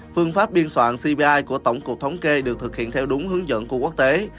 phương pháp biên soạn cbi của tổng cục thống kê được thực hiện theo đúng hướng dẫn của quốc tế